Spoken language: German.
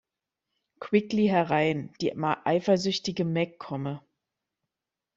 Quickly herein: Die eifersüchtige Meg komme.